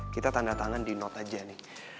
kita tanda tangan di note aja nih